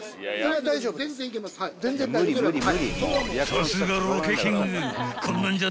［さすがロケキング］